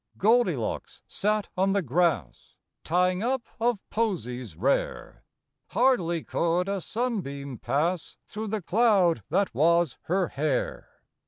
OLD I LOCKS sat on the grass, ^ Tying up of posies rare, Hardly could a sunbeam pass Through the cloud that was her hair.